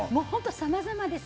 さまざまです。